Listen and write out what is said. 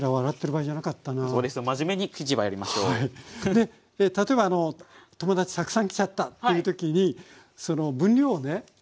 で例えば友達たくさん来ちゃったっていう時に分量をね